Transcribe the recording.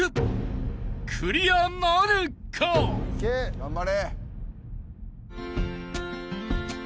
頑張れ。